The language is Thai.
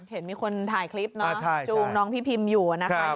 เห็นมีคนถ่ายคลิปจูมน้องพี่พิมอยู่